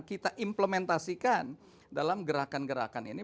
kita implementasikan dalam gerakan gerakan ini